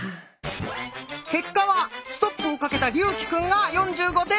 結果はストップをかけた竜暉くんが４５点。